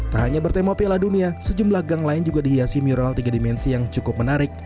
tak hanya bertema piala dunia sejumlah gang lain juga dihiasi miral tiga dimensi yang cukup menarik